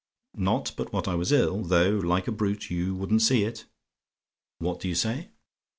Not but what I was ill; though, like a brute, you wouldn't see it. "What do you say?